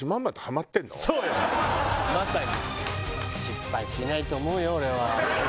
失敗しないと思うよ俺は。